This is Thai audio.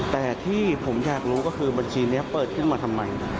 แต่ที่ผมอยากรู้ก็คือบัญชีนี้เปิดขึ้นมาทำไม